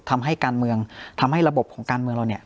ทำให้การเมืองทำให้ระบบของการเมืองเราเนี่ย